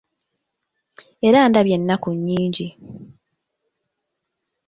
Era ndabye ennaku nyingi.